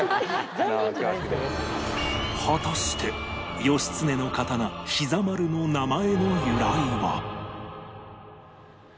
果たして義経の刀膝丸の名前の由来は？